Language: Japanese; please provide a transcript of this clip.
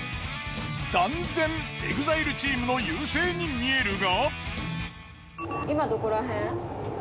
断然ＥＸＩＬＥチームの優勢に見えるが。